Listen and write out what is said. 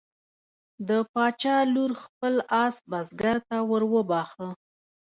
د باچا لور خپل آس بزګر ته وروبخښه.